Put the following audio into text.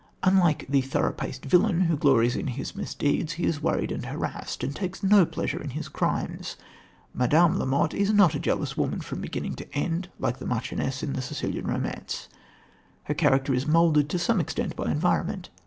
Unlike the thorough paced villain, who glories in his misdeeds, he is worried and harassed, and takes no pleasure in his crimes. Madame La Motte is not a jealous woman from beginning to end like the marchioness in the Sicilian Romance. Her character is moulded to some extent by environment.